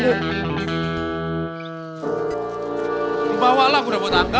lo bawa lah gue udah bawa tangga